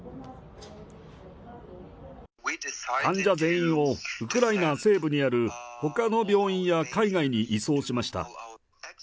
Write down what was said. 患者全員をウクライナ西部にあるほかの病院や海外に移送しました。